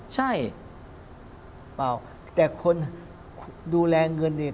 ใช่เปล่าแต่คนดูแลเงินเนี่ย